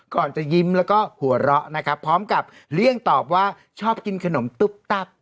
ก่อนจะยิ้มแล้วก็หัวเราะนะครับพร้อมกับเลี่ยงตอบว่าชอบกินขนมตุ๊บตับ